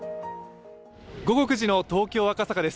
午後９時の東京・赤坂です。